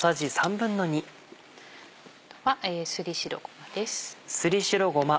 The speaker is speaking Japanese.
あとはすり白ごまです。